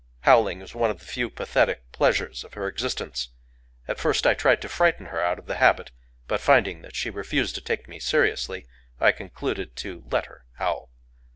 Howling is one of the few pathetic pleasures of her existence. At first I tried to frighten her out of the habit; but finding that she refused to take me seriously, I concluded to let her howl.